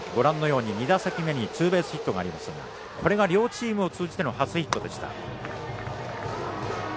２打席目にツーベースヒットもありますがこれが両チームを通じての初ヒットでした。